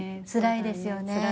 つらいですよね。